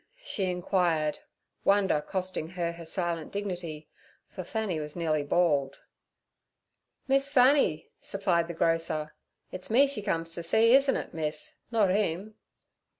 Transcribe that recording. she inquired, wonder costing her her silent dignity, for Fanny was nearly bald. 'Miss Fanny' supplied the grocer. 'It's me she comes to see, isn't it, miss—not him?'